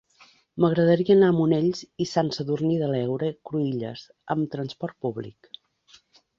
M'agradaria anar a Monells i Sant Sadurní de l'Heura Cruïlles amb trasport públic.